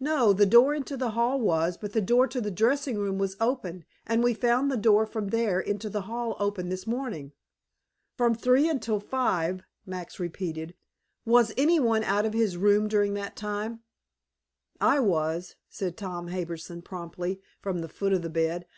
"No. The door into the hall was, but the door into the dressing room was open, and we found the door from there into the hall open this morning." "From three until five," Max repeated. "Was any one out of his room during that time?" "I was," said Tom Harbison promptly, from the foot of the bed.